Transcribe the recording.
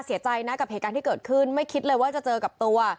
เสียใจนะกับเหตุการณ์ที่เกิดขึ้นไม่คิดเลยว่าจะเจอกับตัว